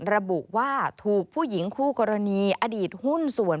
ระบุว่าถูกผู้หญิงคู่กรณีอดีตหุ้นส่วน